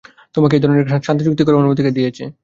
তোমাকে এই ধরণের শান্তিচুক্তি করার অনুমতি কে দিয়েছে?